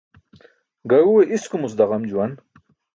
Gaẏuwe iskumuc daġam juwan.